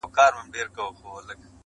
صدقه دي تر تقوا او تر سخا سم.